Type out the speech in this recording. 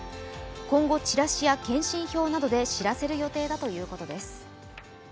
今後、チラシや検針票などで知らせる予定だということです。